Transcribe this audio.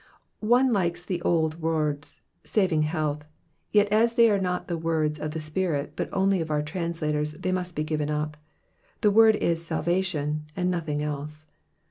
One likes the old words, saving health," yet as they are not the words of the Spirit but only of our translators, they must be given up : the word is salcation^ and nothing else.